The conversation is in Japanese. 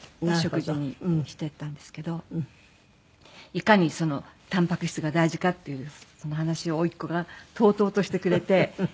いかにたんぱく質が大事かっていう話を甥っ子がとうとうとしてくれて。